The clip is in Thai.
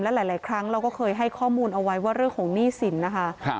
หลายครั้งเราก็เคยให้ข้อมูลเอาไว้ว่าเรื่องของหนี้สินนะคะ